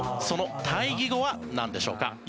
その対義語はなんでしょうか？